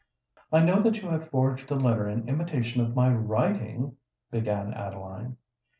"I know that you have forged a letter in imitation of my writing——" began Adeline.